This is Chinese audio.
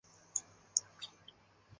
手炮可以指